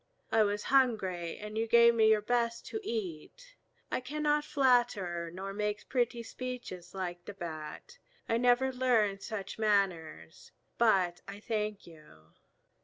I was hungry, and you gave me your best to eat. I cannot flatter nor make pretty speeches like the Bat. I never learned such manners. But I thank you."